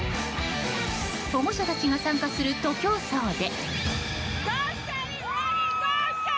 保護者たちが参加する徒競走で。